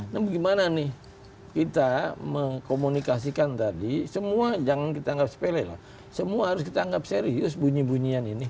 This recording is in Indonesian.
nah bagaimana nih kita mengkomunikasikan tadi semua jangan kita anggap sepele lah semua harus kita anggap serius bunyi bunyian ini